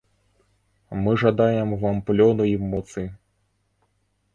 Мы жадаем вам плёну і моцы!